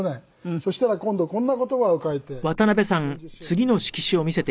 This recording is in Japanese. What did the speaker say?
そしたら今度こんな言葉を書いて４０周年の時に。